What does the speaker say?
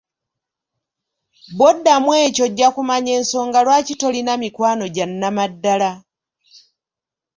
Bw'oddamu ekyo ojja kumanya ensonga lwaki tolina mikwano gya nnamaddala.